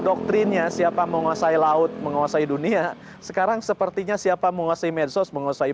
doktrinnya siapa menguasai laut menguasai dunia sekarang sepertinya siapa menguasai medsos menguasai